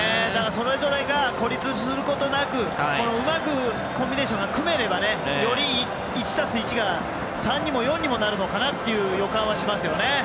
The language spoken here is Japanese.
それぞれが孤立することなくうまくコンビネーションが組めればより１足す１が３にも４にもなるのかなという予感はしますよね。